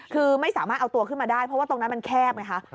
คือไม่สามารถเอาตัวขึ้นมาได้เพราะว่าตรงนั้นมันแคบไงคะ